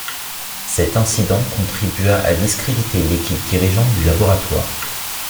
Cet incident contribua à discréditer l'équipe dirigeante du laboratoire.